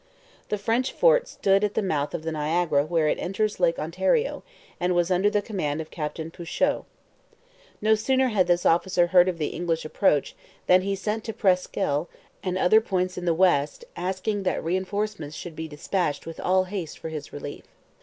The French fort stood at the mouth of the Niagara where it enters Lake Ontario, and was under the command of Captain Pouchot. No sooner had this officer heard of the English approach than he sent to Presqu'Ile and other points in the west asking that reinforcements should be dispatched with all haste for his relief.